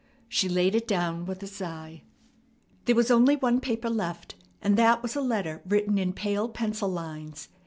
She laid it down with a sigh. There was only one paper left, and that was a letter written in pale pencil lines.